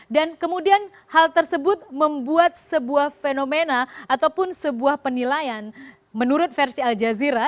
kemudian hal tersebut membuat sebuah fenomena ataupun sebuah penilaian menurut versi al jazeera